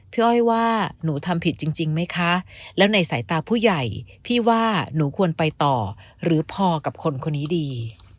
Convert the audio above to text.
อ้อยว่าหนูทำผิดจริงไหมคะแล้วในสายตาผู้ใหญ่พี่ว่าหนูควรไปต่อหรือพอกับคนคนนี้ดี